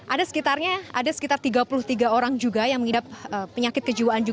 ada sekitarnya ada sekitar tiga puluh tiga orang juga yang mengidap penyakit kejiwaan